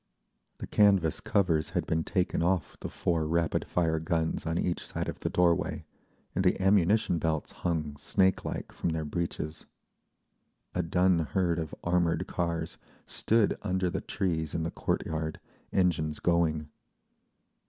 The canvas covers had been taken off the four rapid fire guns on each side of the doorway, and the ammunition belts hung snakelike from their breeches. A dun herd of armoured cars stood under the trees in the court yard, engines going.